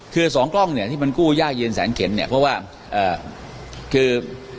คือสองกล้องเนี่ยที่มันกู้ยากเย็นแสนเข็นเนี่ยเพราะว่าคือ